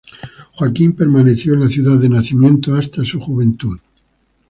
Joaquín permaneció en la ciudad de nacimiento hasta su juventud.